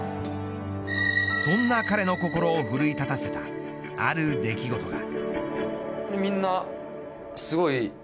そんな彼の心を奮い立たせたある出来事が。